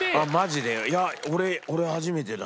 いや俺俺初めてだ。